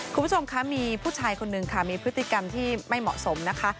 คุณผู้ชมคะมีผู้ชายคนนึงค่ะมีพฤติกรรมที่ไม่เหมาะสมนะคะ